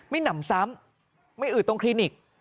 ไม่หนำซ้ำไม่อึ๋ตรงคลีนิก